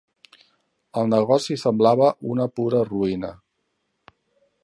El negoci semblava una pura ruïna.